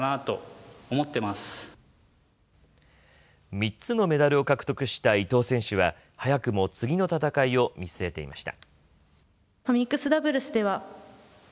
３つのメダルを獲得した伊藤選手は早くも次の戦いを見据えていました。